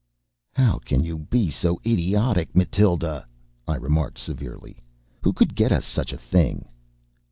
"How can you be so idiotic, Matilda?" I remarked severely. "Who could get us such a thing?"